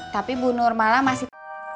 tapi bu nurmala masih